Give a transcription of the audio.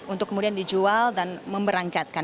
untuk kemudian dijual dan memberangkatkan